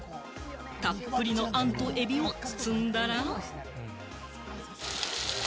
たっぷりの餡とエビを包んだら。